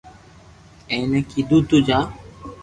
اينآ ڪيدو تو جا